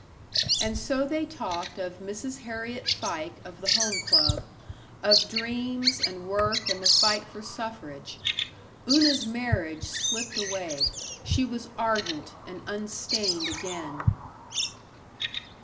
And so they talked of Mrs. Harriet Fike of the Home Club, of dreams and work and the fight for suffrage. Una's marriage slipped away she was ardent and unstained again.